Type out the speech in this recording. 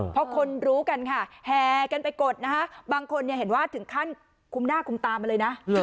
เพราะคนรู้กันค่ะแห่กันไปกดนะคะบางคนเห็นว่าถึงขั้นคุมหน้าคุมตามาเลยนะ